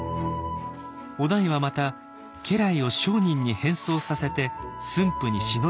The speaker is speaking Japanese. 於大はまた家来を商人に変装させて駿府に忍び込ませ。